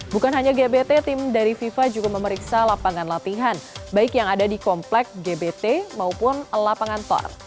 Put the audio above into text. bukan hanya gbt tim dari fifa juga memeriksa lapangan latihan baik yang ada di komplek gbt maupun lapangan tor